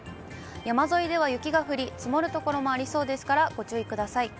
山沿いでは雪が降り、積もる所もありそうですから、ご注意ください。